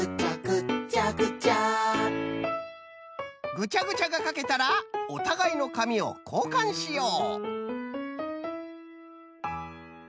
ぐちゃぐちゃがかけたらおたがいのかみをこうかんしよう。